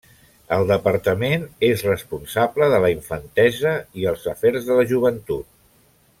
El departament és responsable de la infantesa i els afers de la joventut.